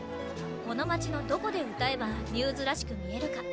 この街のどこで歌えばμ’ｓらしく見えるか。